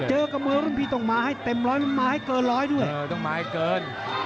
เออต้องมาให้เกิน